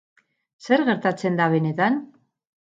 Zer gertatzen da benetan?